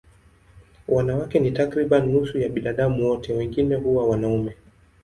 Wanawake ni takriban nusu ya binadamu wote, wengine huwa wanaume.